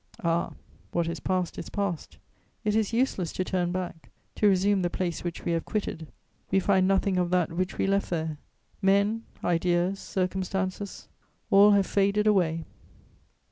Ah, what is past is past! It is useless to turn back, to resume the place which we have quitted; we find nothing of that which we left there: men, ideas, circumstances, all have faded away.